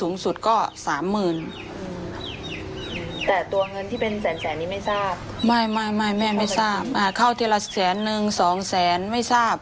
ไม่ไม่ไม่ไม่ไม่ไม่ไม่ทราบเขาเทียบละแสนหนึ่งสองแสนไม่ทราบ